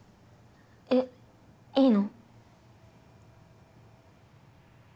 えっいいの？